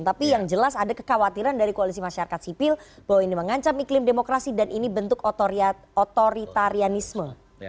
tapi yang jelas ada kekhawatiran dari koalisi masyarakat sipil bahwa ini mengancam iklim demokrasi dan ini bentuk otoritarianisme